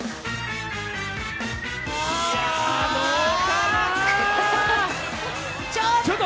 いや、どうかな？